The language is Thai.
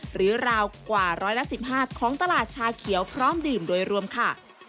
ราวกว่าร้อยละ๑๕ของตลาดชาเขียวพร้อมดื่มโดยรวมค่ะ